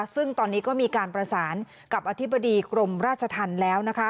ซึ่งตอนนี้ก็มีการประสานกับอธิบดีกรมราชธรรมแล้ว